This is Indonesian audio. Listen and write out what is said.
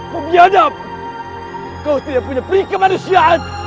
memiadam kau tidak punya periksa manusia